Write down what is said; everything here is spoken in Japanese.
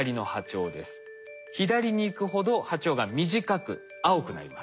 左に行くほど波長が短く青くなります。